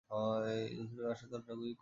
যতটুকু আসে ততটুকুই কইরো।